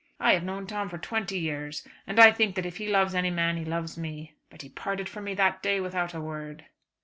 I have known Tom for twenty years, and I think that if he loves any man he loves me. But he parted from me that day without a word."